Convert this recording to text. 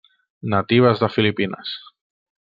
Natives de Filipines.